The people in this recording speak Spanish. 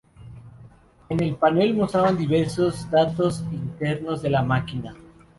En el panel mostraba diversos datos internos de la máquina.